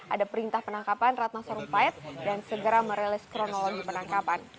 ada perintah penangkapan ratna sarumpait dan segera merilis kronologi penangkapan